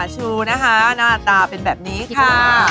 ชูนะคะหน้าตาเป็นแบบนี้ค่ะ